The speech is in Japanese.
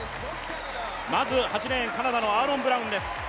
まず８レーン、カナダのアーロン・ブラウンです。